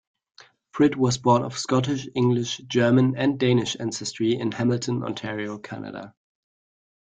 Frid was born of Scottish, English, German and Danish ancestry in Hamilton, Ontario, Canada.